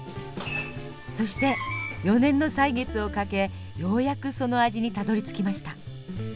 そして４年の歳月をかけようやくその味にたどりつきました。